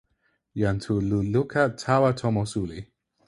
jan Tu li luka tawa tomo suli.